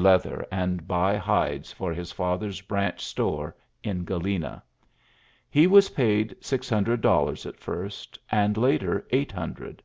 leather and buy hides for his &mi branch store in Galena. He wbs j six hundred dollars at first^ and h eight hundred.